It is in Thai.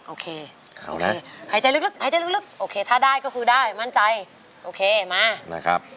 โอเคหายใจลึกหายใจลึกโอเคถ้าได้ก็คือได้มั่นใจโอเคมานะครับ